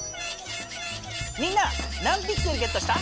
みんな何ピクセルゲットした？